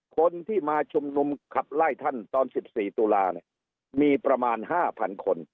คนที่มาชุมนุมขับไล่ท่านตอน๑๔ตุลาเนี่ยมีประมาณ๕๐๐คน